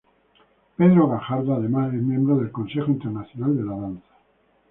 Pedro Gajardo además es Miembro del Consejo Internacional de la Danza.